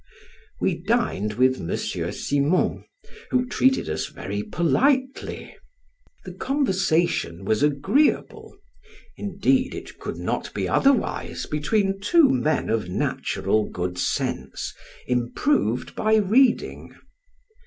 We dined with M. Simon, who treated us very politely. The conversation was agreeable; indeed it could not be otherwise between two men of natural good sense, improved by reading.